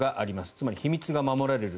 つまり秘密が守られる。